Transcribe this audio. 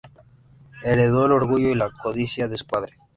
Heredó el orgullo y la codicia de su padre.